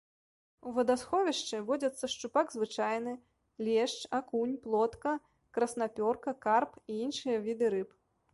У вадасховішчы водзяцца шчупак звычайны, лешч, акунь, плотка, краснапёрка, карп і іншыя віды рыб.